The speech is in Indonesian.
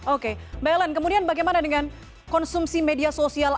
oke mbak ellen kemudian bagaimana dengan konsumsi media sosial